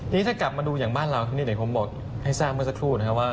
นี่ถ้ากลับมาดูอย่างบ้านเรานี่เดี๋ยวผมบอกให้ทราบเมื่อสักครู่นะครับว่า